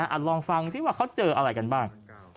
เอาลองฟังสิว่าเขาเจออะไรกันบ้าง